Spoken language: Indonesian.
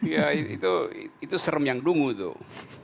ya itu serem yang dungu tuh